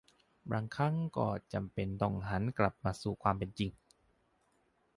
บางครั้งก็จำเป็นต้องหันกลับมาสู่ความเป็นจริง